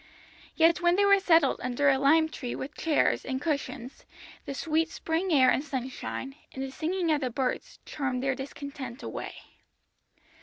Yet when they were settled under a lime tree with chairs and cushions, the sweet spring air and sunshine, and the singing of the birds, charmed their discontent away.